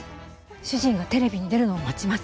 主人がテレビに出るのを待ちます。